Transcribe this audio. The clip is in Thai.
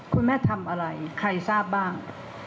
คุณแม่ทำอะไรใครทราบบ้าง